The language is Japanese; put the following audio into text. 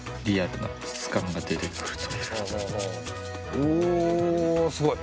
おすごい！